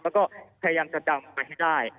แล้วก็พยายามจะดำไปให้ได้